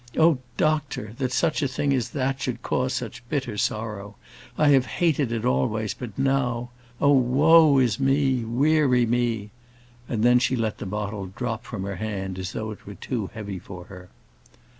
Oh, doctor! that such a thing as that should cause such bitter sorrow! I have hated it always, but now Oh, woe is me! weary me!" And then she let the bottle drop from her hand as though it were too heavy for her.